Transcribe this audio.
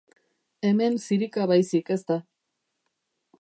Hemen zirika baizik ez da.